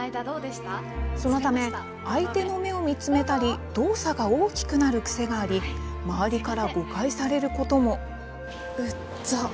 そのため、相手の目を見つめたり動作が大きくなる癖があり周りから誤解されることも。